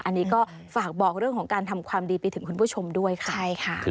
อันนี้ก็ฝากบอกเรื่องของการทำความดีไปถึงคุณผู้ชมด้วยค่ะใช่ค่ะ